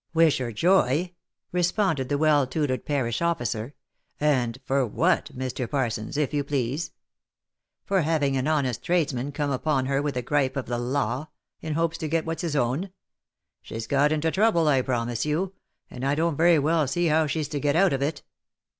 " Wish her joy ?" responded the well tutored parish officer, " and for what, Mr. Parsons, if you please? For having an honest tradesman come upon her with the gripe of the law, in hopes to get what's his own ? She's got into trouble, I promise you, and I don't very well see how she's to get out of it."